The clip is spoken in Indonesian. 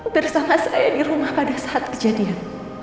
bersama saya di rumah pada saat kejadian